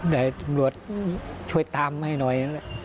ได้ตำรวจช่วยตามให้หน่อย